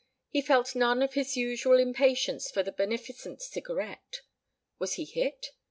He felt none of his usual impatience for the beneficent cigarette. Was he hit?